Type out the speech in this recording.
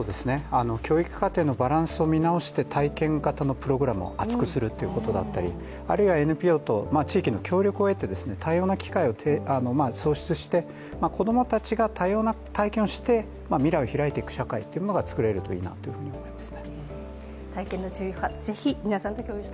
教育課程のバランスを見直し体験型のプログラムを厚くするということだったりあるいは地域のＮＰＯと多様な機会を創出して子供たちが多様な体験をして、未来を開いていく社会というのが作れるといいなと思います。